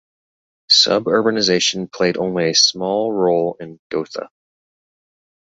Suburbanization played only a small role in Gotha.